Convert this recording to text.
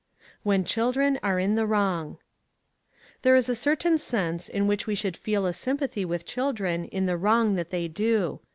When Children are in the Wrong. There is a certain sense in which we should feel a sympathy with children in the wrong that they do.